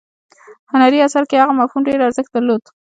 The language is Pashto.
هنري اثر کې هغه مفهوم ډیر ارزښت درلود.